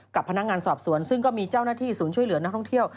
กับพนักงานสอบสวนซึ่งก็มีเจ้าหน้าที่ศูนย์ช่วยเหลือนักท่องเที่ยว